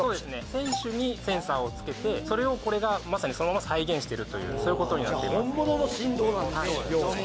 選手にセンサーをつけてそれをこれがまさにそのまま再現してるというそういうことになっていますそうですね